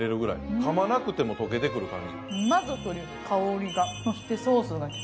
かまなくても溶けてくる感じ。